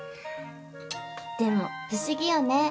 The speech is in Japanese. でも不思議よね。